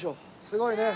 すごいね。